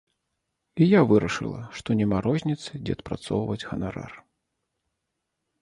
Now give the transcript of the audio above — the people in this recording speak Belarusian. І я вырашыла, што няма розніцы, дзе адпрацоўваць ганарар.